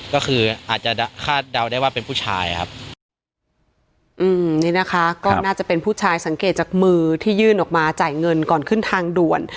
ก็คืออาจจะคาดเดาได้ว่าเป็นผู้ชายครับอืมนี่นะคะก็น่าจะเป็นผู้ชายสังเกตจากมือที่ยื่นออกมาจ่ายเงินก่อนขึ้นทางด่วน